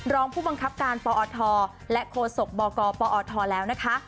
รองผู้บังคับการปอทและโฆษกบกปอทแล้วนะคะ